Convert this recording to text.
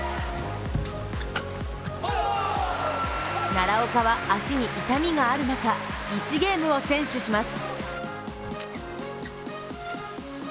奈良岡は足に痛みがある中、１ゲームを先取します。